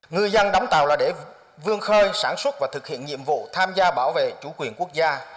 ngư dân đóng tàu là để vương khơi sản xuất và thực hiện nhiệm vụ tham gia bảo vệ chủ quyền quốc gia